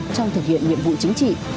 trong thực hiện nhiệm vụ chính trị